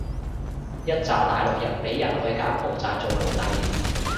一柞大陸人畀人去柬埔寨做奴隸